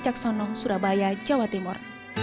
wicaksono surabaya jawa timur